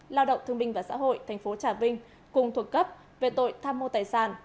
lao động thương minh và xã hội tp trà vinh cùng thuộc cấp về tội tham mô tài sản